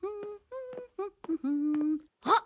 あっ！